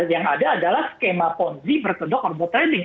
yang ada adalah skema ponzi berkedok robot trading